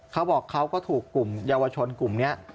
เขาบอกเขาก็ถูกกลุ่มเยาวชนกลุ่มนี้